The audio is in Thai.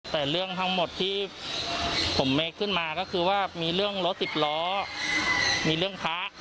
แต่เรื่องทั้งหมดที่ผมเมคขึ้นมาก็คือว่ามีเรื่องรถสิบล้อมีเรื่องพระ